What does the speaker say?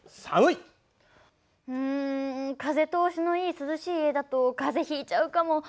うん風通しのいい涼しい家だとかぜひいちゃうかも。